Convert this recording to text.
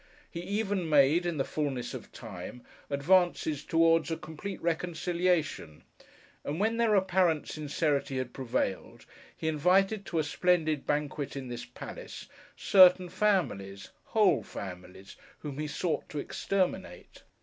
He even made, in the fulness of time, advances towards a complete reconciliation; and when their apparent sincerity had prevailed, he invited to a splendid banquet, in this palace, certain families, whole families, whom he sought to exterminate.